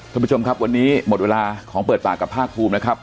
ท่านผู้ชมครับวันนี้หมดเวลาของเปิดปากกับภาคภูมินะครับ